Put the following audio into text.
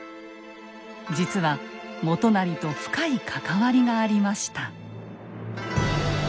実は元就と深い関わりがありました。